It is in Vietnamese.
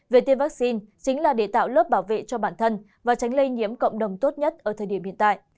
về tiêm vaccine chính là để tạo lớp bảo vệ cho bản thân và tránh lây nhiễm cộng đồng tốt nhất ở thời điểm hiện tại